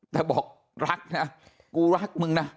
แต่บอกรักนะกูรักมึงนะ